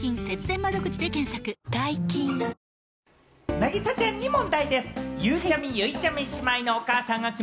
凪咲ちゃんに問題です。